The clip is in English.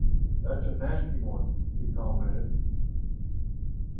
"That's a nasty one," he commented.